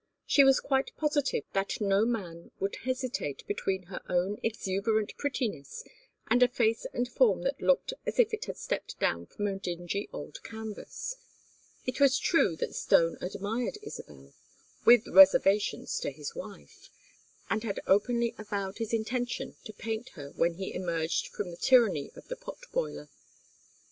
She was quite positive that no man would hesitate between her own exuberant prettiness and a face and form that looked as if it had stepped down from a dingy old canvas. It was true that Stone admired Isabel with reservations to his wife and had openly avowed his intention to paint her when he emerged from the tyranny of the pot boiler.